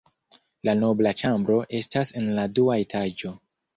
La nobla ĉambro estas en la dua etaĝo.